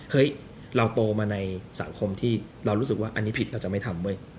เราโตมาในสังคมที่เรารู้สึกว่าอันนี้ผิดเราจะไม่ทำเว้ย